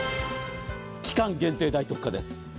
期間限定大特価です。